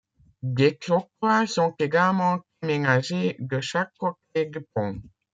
Des trottoirs sont également aménagés de chaque côté du pont.